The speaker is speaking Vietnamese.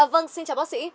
vâng xin chào bác sĩ